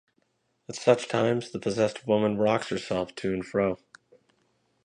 At such times the possessed woman rocks herself too and fro.